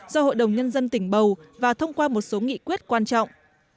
do hội đồng nhân dân tỉnh bầu và thông qua một số nghị quyết quan trọng